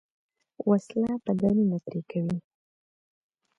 وسله بدنونه پرې کوي